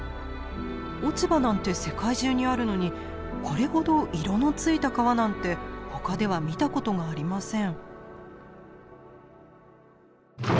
落ち葉なんて世界中にあるのにこれほど色のついた川なんて他では見たことがありません。